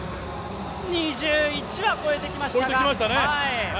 ２１は越えてきましたが。